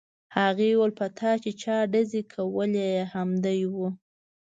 هغې وویل په تا چې چا ډزې کولې همدی و